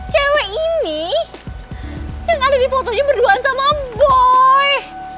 cewek ini yang ada di fotonya berduaan sama boy